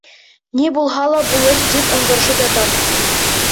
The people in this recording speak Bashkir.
Ни булһа ла булыр, тип ыңғырашып ятам.